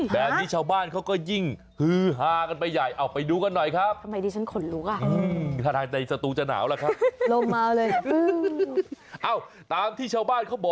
แบบนี้ชาวบ้านเขาก็ยิ่งฮือฮากันไปใหญ่เอาไปดูกันหน่อยครับ